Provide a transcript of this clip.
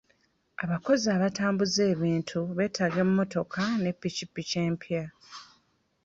Abakozi abatambuza ebintu beetaaga emmotoka ne ppikippiki empya